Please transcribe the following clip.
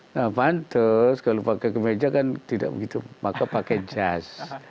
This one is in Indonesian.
nah pantes kalau pakai kemeja kan tidak begitu maka pakai jas